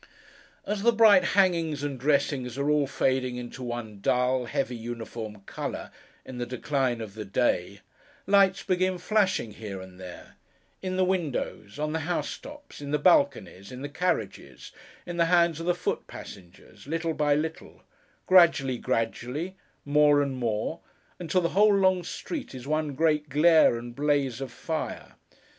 As the bright hangings and dresses are all fading into one dull, heavy, uniform colour in the decline of the day, lights begin flashing, here and there: in the windows, on the housetops, in the balconies, in the carriages, in the hands of the foot passengers: little by little: gradually, gradually: more and more: until the whole long street is one great glare and blaze of fire.